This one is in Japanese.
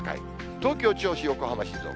東京、銚子、横浜、静岡。